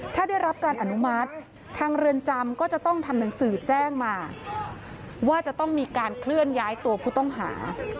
ถ้าได้รับการอนุมัติทางเรือนจำก็จะต้องทำหนังสือแจ้งมาว่าจะต้องมีการเคลื่อนย้ายตัวผู้ต้องหา